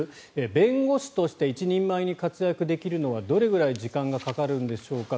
弁護士として一人前に活躍できるのはどれぐらい時間がかかるんでしょうか。